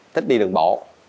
thích đi đường bộ